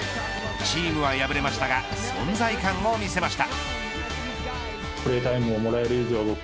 チームは敗れましたが存在感を見せました。